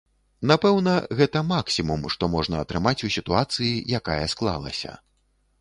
Напэўна, гэта максімум, што можна атрымаць у сітуацыі, якая склалася.